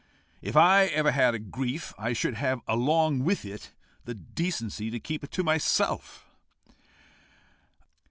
If I ever had a grief, I should have along with it the decency to keep it to myself."